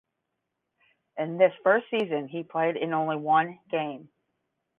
In this first season he played in only one game.